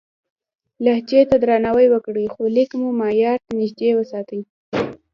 لهجې ته درناوی وکړئ، خو لیک مو معیار ته نږدې وساتئ.